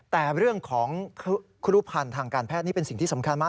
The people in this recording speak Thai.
แต่เรื่องของครูพันธ์ทางการแพทย์นี่เป็นสิ่งที่สำคัญมาก